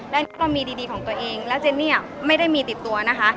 เรามีดีของตัวเองแล้วเจนี่อะไม่ได้มีติดตัวนะคะ